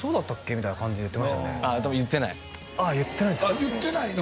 みたいな感じで言ってましたねああ多分言ってないああ言ってないんですか言ってないの？